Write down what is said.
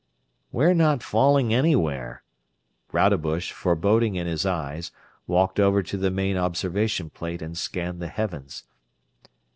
"We're not falling anywhere." Rodebush, foreboding in his eyes, walked over to the main observation plate and scanned the heavens.